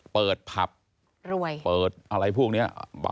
เปิดผับเปิดอะไรพวกนี้